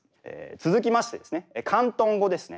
続きましてですね広東語ですね。